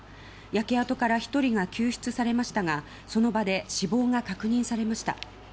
焼け跡から１人が救出されましたがその場で死亡が確認されました。